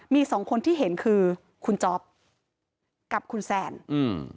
มีสองคนที่เห็นคือคุณจ๊อปกับคุณแซนอืม